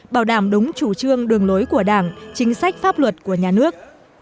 bảo đảm đúng chủ trương đường lối của đảng chính sách pháp luật của nhà nước